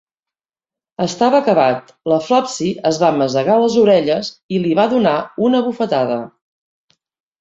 Estava acabat. La Flopsy es va masegar les orelles i li va donar una bufetada.